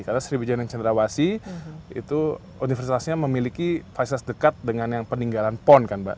karena sriwijaya dan cenderawasi itu universitasnya memiliki fasilitas dekat dengan yang peninggalan pon kan mbak